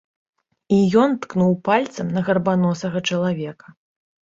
І ён ткнуў пальцам на гарбаносага чалавека.